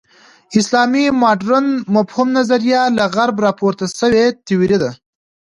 اسلامي مډرن فهم نظریه له غرب راپور شوې تیوري ده.